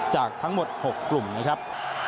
จากทั้งหมด๖กลุ่มนะครับ